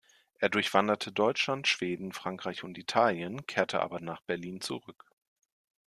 Er durchwanderte Deutschland, Schweden, Frankreich und Italien, kehrte aber nach Berlin zurück.